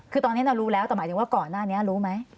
คือตอนนี้เรารู้แล้วแต่หมายถึงว่าก่อนหน้านี้รู้ไหม